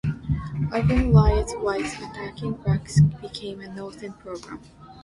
Urban riots-whites attacking blacks-became a northern problem.